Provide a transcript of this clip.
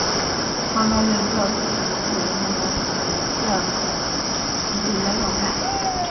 创造力需要知识的支援才能呈现其最佳状态。